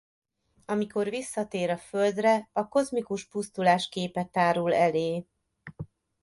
Amikor visszatér a Földre a kozmikus pusztulás képe tárul elé.